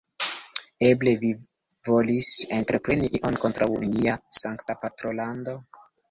Eble vi volis entrepreni ion kontraŭ nia sankta patrolando?